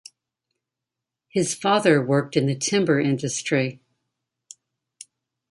His father worked in the timber industry.